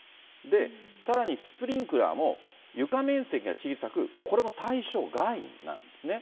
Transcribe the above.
さらにスプリンクラーも、床面積が小さく、これも対象外なんですね。